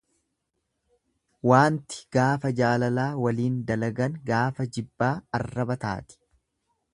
Waanti gaafa jaalalaa waliin dalagan gaafa jibbaa arraba taati.